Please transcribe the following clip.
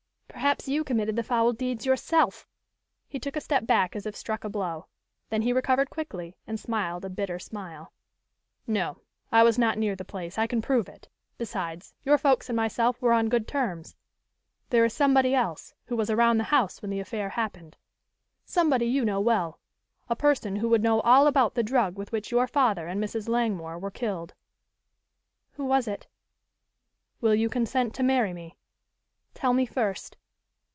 "Perhaps you committed the foul deeds yourself." He took a step back as if struck a blow. Then he recovered quickly and smiled a bitter smile. "No, I was not near the place, I can prove it. Besides, your folks and myself were on good terms. There is somebody else, who was around the house when the affair happened somebody you know well, a person who would know all about the drug with which your father and Mrs. Langmore were killed." "Who was it?" "Will you consent to marry me?" "Tell me first."